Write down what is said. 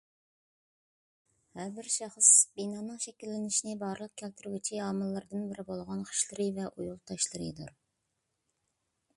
ھەر بىر شەخس بىنانىڭ شەكىللىنىشىنى بارلىققا كەلتۈرگۈچى ئامىللىرىدىن بىرى بولغان خىشلىرى ۋە ئۇيۇل تاشلىرىدۇر.